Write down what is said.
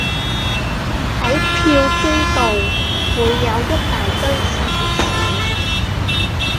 喺票機度會有一大堆散紙